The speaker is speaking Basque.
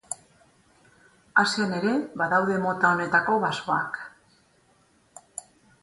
Asian ere badaude mota honetako basoak.